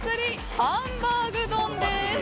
ハンバーグ丼です！